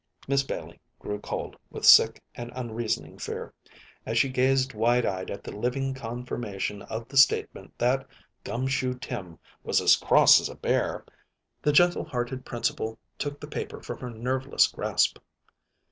Miss Bailey grew cold with sick and unreasoning fear. As she gazed wide eyed at the living confirmation of the statement that "Gum Shoe Tim" was "as cross as a bear," the gentle hearted Principal took the paper from her nerveless grasp.